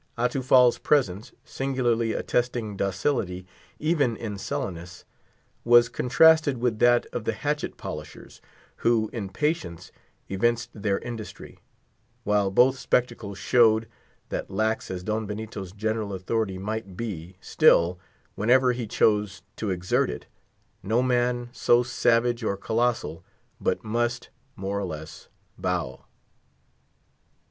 Atufal's presence, singularly attesting docility even in sullenness, was contrasted with that of the hatchet polishers, who in patience evinced their industry; while both spectacles showed, that lax as Don Benito's general authority might be, still, whenever he chose to exert it, no man so savage or colossal but must, more or less, bow.